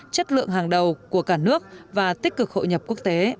chất lượng hàng đầu của cả nước và tích cực hội nhập quốc tế